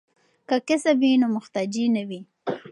که کسب وي نو محتاجی نه وي.